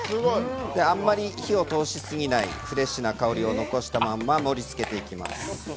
あんまり火を通しすぎない、フレッシュな香りを残したまま盛りつけていきます。